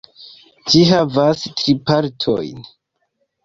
Ĝi havas tri partojn.